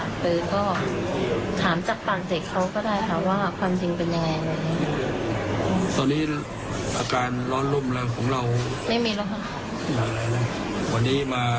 หรือก็ถามจากต่างเด็กเขาก็ได้ค่ะว่าความจริงเป็นยังไง